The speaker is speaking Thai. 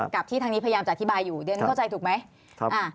กับที่ทางนี้พยายามจะอธิบายอยู่เดี๋ยวฉันเข้าใจถูกไหม